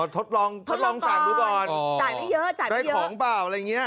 ทดลองทดลองสั่งดูก่อนจ่ายไม่เยอะจ่ายได้ของเปล่าอะไรอย่างนี้